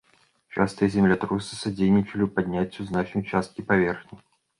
Частыя землятрусы садзейнічалі падняццю значнай часткі паверхні.